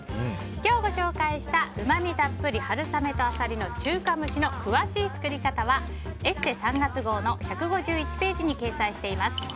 今日ご紹介した、うま味たっぷり春雨とアサリの中華蒸しの詳しい作り方は「ＥＳＳＥ」３月号の１５１ページに掲載しています。